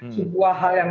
sebuah hal yang